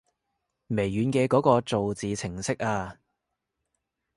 微軟嘅嗰個造字程式啊